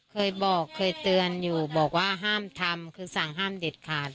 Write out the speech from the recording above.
เคยบอกเคยเตือนอยู่บอกว่าห้ามทำคือสั่งห้ามเด็ดขาด